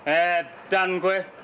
eh dan kue